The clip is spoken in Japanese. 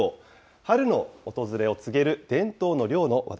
春の訪れを告げる伝統の漁の話題